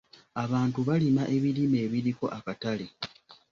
Abantu balima ebirime ebiriko akatale.